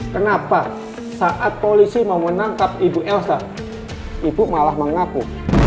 kenapa saat polisi mau menangkap ibu elsa ibu malah mengaku